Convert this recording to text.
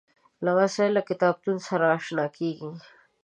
لمسی له کتابتون سره اشنا کېږي.